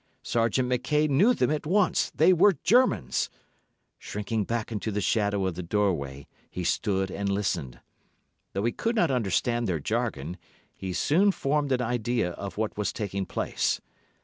Sergeant Mackay knew them at once—they were Germans! Shrinking back into the shadow of the doorway he stood and listened. Though he could not understand their jargon, he soon formed an idea of what was taking place.